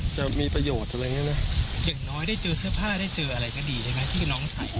อย่างน้อยได้เจอเสื้อผ้าได้เจออะไรก็ดีใช่ไหมที่น้องใส่